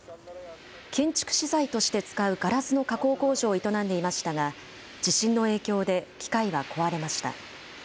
建築資材として使うガラスの加工工場を営んでいましたが、地震の影響で機械は壊れました。